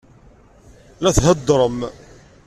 La theddṛem.